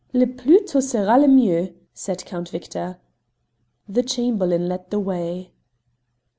"Le plus tôt sera le mieux!" said Count Victor. The Chamberlain led the way.